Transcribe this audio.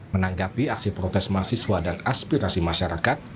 menanggapi aksi protes mahasiswa dan aspirasi masyarakat